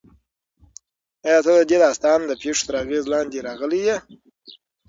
ایا ته د دې داستان د پېښو تر اغېز لاندې راغلی یې؟